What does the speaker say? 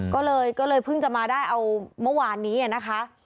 ก็เลยก็เลยเพิ่งจะมาได้เอาเมื่อวานนี้นะคะ